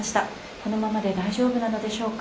このままで大丈夫なのでしょうか。